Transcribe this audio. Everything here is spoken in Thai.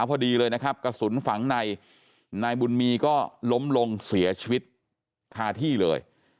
พอดีเลยนะครับกระสุนฝังในนายบุญมีก็ล้มลงเสียชีวิตคาที่เลย